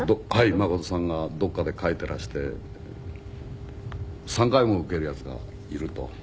誠さんがどこかで書いてらして３回も受けるヤツがいると。